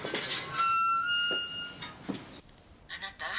「あなた？